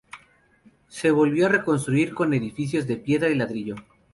Se volvió a reconstruir con edificios de piedra y ladrillo.